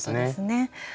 そうですね。